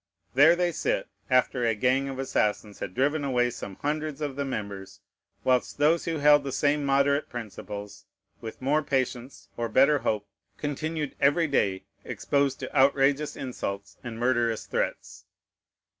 There they sit, after a gang of assassins had driven away some hundreds of the members; whilst those who held the same moderate principles, with more patience or better hope, continued every day exposed to outrageous insults and murderous threats.